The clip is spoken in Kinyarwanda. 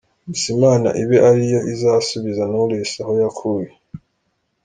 Gusa Imana ibe ariyo izasubiza Knowless aho yakuye”.